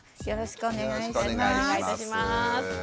よろしくお願いします。